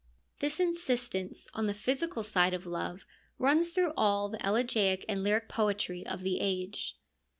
This insistence on the physical side of love runs through all the elegiac and lyric poetry of the age.